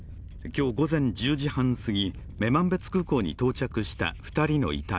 今日午前１０時半過ぎ女満別空港に到着した２人の遺体。